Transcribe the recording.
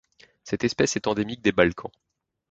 Cette espèce est endémique des Balkans.